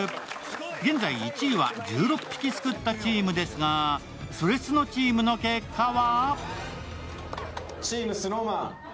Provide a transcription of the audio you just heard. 現在１位は１６匹すくったチームですが、それスノチームの結果は？